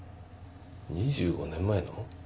２５年前の？